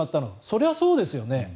それはそうですよね。